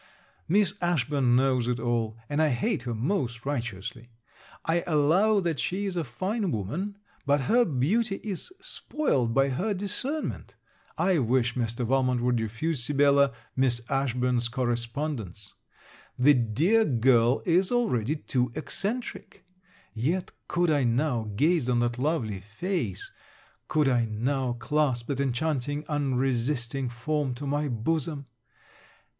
Miss Ashburn knows it all, and I hate her most righteously. I allow that she is a fine woman, but her beauty is spoiled by her discernment. I wish Mr. Valmont would refuse Sibella Miss Ashburn's correspondence. The dear girl is already too eccentric. Yet could I now gaze on that lovely face, could I now clasp that enchanting unresisting form to my bosom!